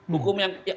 hukum yang berat